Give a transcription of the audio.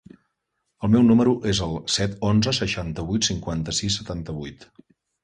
El meu número es el set, onze, seixanta-vuit, cinquanta-sis, setanta-vuit.